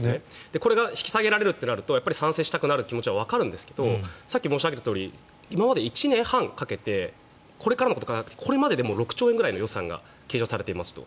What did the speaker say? これが引き下げられるってなると賛成したくなる気持ちはわかるんですがさっき申し上げたとおり１年半かけてこれからのことを考えるとこれまでで６兆円くらいの予算が使われていますと。